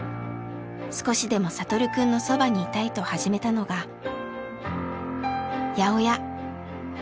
少しでも聖くんのそばにいたいと始めたのが八百屋！